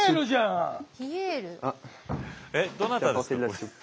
えっどなたですか？